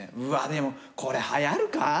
うわでもこれはやるか？